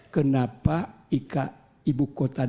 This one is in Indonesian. kenapa ibu kota